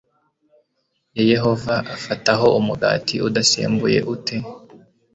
ya yehova afataho umugati udasembuwe u te